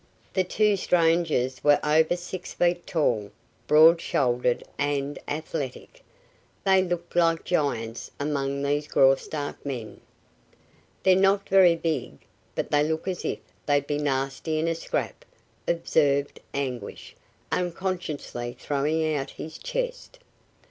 The two strangers were over six feet tall, broad shouldered and athletic. They looked like giants among these Graustark men. "They're not very big, but they look as if they'd be nasty in a scrap," observed Anguish, unconsciously throwing out his chest.